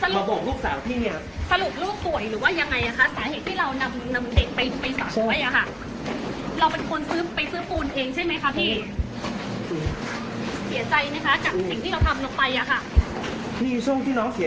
มาบอกลูกสาวพี่เนี่ย